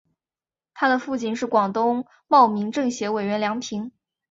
她的父亲是广东茂名政协委员梁平。